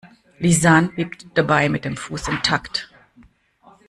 Lisann wippt dabei mit dem Fuß im Takt.